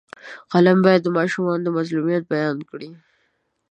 فلم باید د ماشومانو مظلومیت بیان کړي